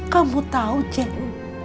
kamu tahu ceng